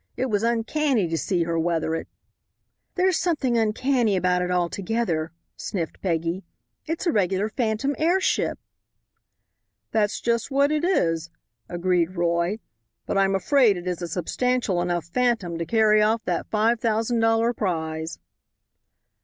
It was uncanny to see her weather it." "There's something uncanny about it altogether," sniffed Peggy; "it's a regular phantom airship." "That's just what it is," agreed Roy, "but I'm afraid it is a substantial enough phantom to carry off that $5,000 prize."